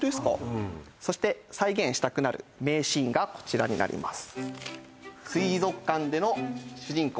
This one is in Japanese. うんそして再現したくなる名シーンがこちらになります「水族館での主人公